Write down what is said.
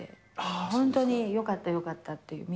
本当によかった、よかったってい